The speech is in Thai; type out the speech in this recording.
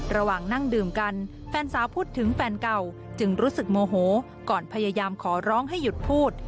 ระหว่างนั่งดื่มกันแฟนสาวพูดถึงแฟนเก่าจึงรู้สึกโมโหก่อนพยายามขอร้องให้หยุดพูด